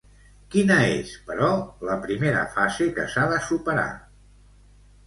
Quina és, però, la primera fase que s'ha de superar?